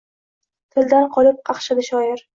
Tildan qolib qaqshadi shoir!